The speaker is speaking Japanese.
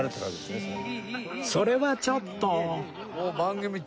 それはちょっと